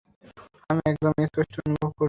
আমি একদম স্পষ্টভাবে অনুভব করছি।